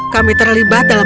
kami terlibat dalam